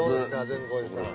善光寺さん。